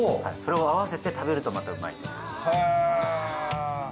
それを合わせて食べるとまたうまいっていう。